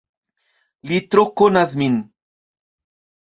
Li tro konas min.